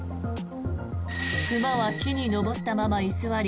熊は木に登ったまま居座り